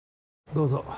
どうぞ。